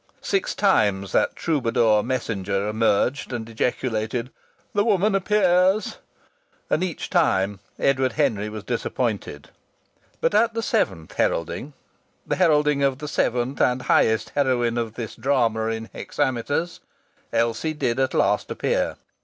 Six times that troubadour messenger emerged and ejaculated, "The Woman appears," and each time Edward Henry was disappointed. But at the seventh heralding the heralding of the seventh and highest heroine of this drama in hexameters Elsie did at length appear.